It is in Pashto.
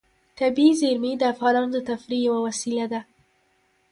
طبیعي زیرمې د افغانانو د تفریح یوه وسیله ده.